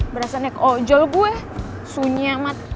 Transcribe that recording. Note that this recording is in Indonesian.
berasa nek ojol gue sunyi amat